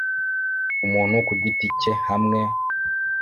Umuntu ku giti cye hamwe